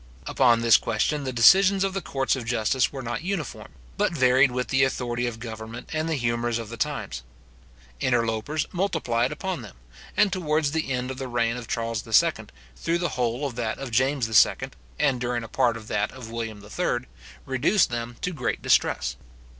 Upon this question the decisions of the courts of justice were not uniform, but varied with the authority of government, and the humours of the times. Interlopers multiplied upon them; and towards the end of the reign of Charles II., through the whole of that of James II., and during a part of that of William III., reduced them to great distress.